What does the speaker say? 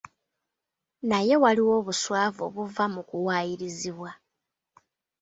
Naye waliwo obuswavu obuva mu kuwayirizibwa